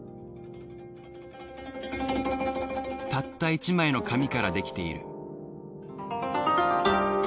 たった１枚の紙からできている。